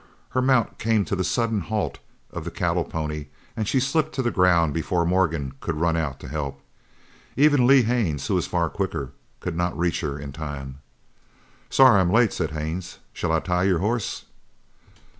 Her mount came to the sudden halt of the cattle pony and she slipped to the ground before Morgan could run out to help. Even Lee Haines, who was far quicker, could not reach her in time. "Sorry I'm late," said Haines. "Shall I tie your horse?"